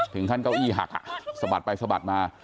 ถึงขั้นเก้าอี้หักสะบัดไปสะบัดมา